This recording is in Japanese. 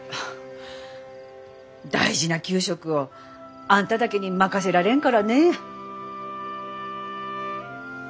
大事な給食をあんただけに任せられんからねぇ。